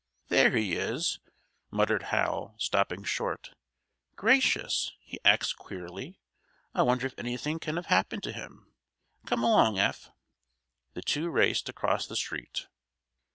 "There he is," muttered Hal, stopping short. "Gracious! He acts queerly. I wonder if anything can have happened to him? Come along, Eph!" The two raced across the street.